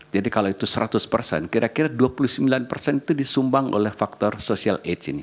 jadi kalau itu seratus kira kira dua puluh sembilan itu disumbang oleh faktor social age ini